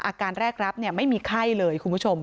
อาการแรกรับไม่มีไข้เลยคุณผู้ชม